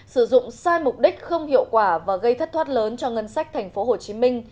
sử dụng sai mục đích không hiệu quả và gây thất thoát lớn cho ngân sách tp hcm